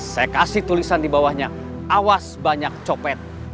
saya kasih tulisan di bawahnya awas banyak copet